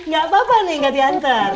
gak apa apa nih nggak diantar